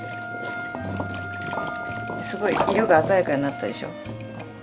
すごい色が鮮やかになったでしょ。